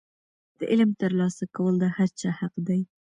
د علم ترلاسه کول د هر چا حق دی.